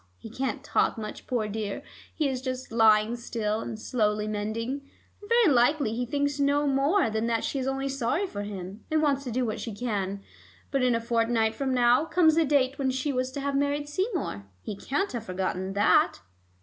He can't talk much, poor dear; he is just lying still, and slowly mending, and very likely he thinks no more than that she is only sorry for him, and wants to do what she can. But in a fortnight from now comes the date when she was to have married Seymour. He can't have forgotten that."